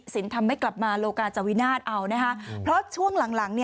ทำไม่กลับมาโลกาจวินาศเอานะคะเพราะช่วงหลังหลัง